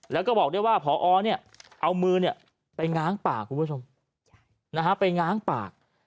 แล้วก็บอกด้วยว่าพอเอามือไปง้างปาก